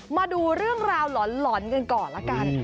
มาดูเรื่องราวหลอนกันก่อนละกัน